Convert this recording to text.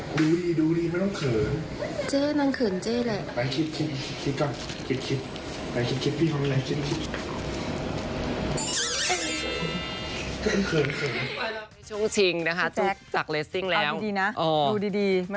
คุณผู้ชม